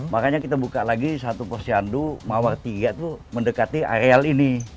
makanya kita buka lagi satu pos cendu mawar tiga tuh mendekati areal ini